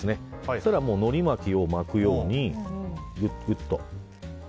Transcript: そうしたらのり巻きを巻くようにギュギュッと。